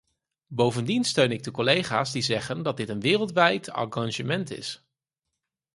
Bovendien steun ik de collega's die zeggen dat dit een wereldwijd engagement is.